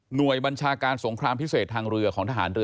บัญชาการสงครามพิเศษทางเรือของทหารเรือ